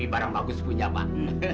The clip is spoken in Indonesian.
wah tv barang bagus punya pak